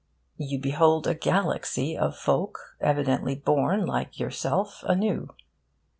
You behold a galaxy of folk evidently born, like yourself, anew.